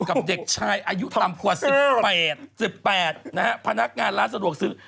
กับเด็กชายอายุต่ำกว่า๑๘๑๘นะฮะพนักงานร้านสะดวกซื้อ